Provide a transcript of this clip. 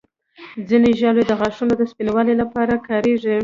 ځینې ژاولې د غاښونو د سپینوالي لپاره کارېږي.